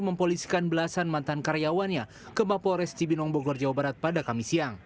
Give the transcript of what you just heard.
mempolisikan belasan mantan karyawannya ke mapo resci binong bogor jawa barat pada kamis siang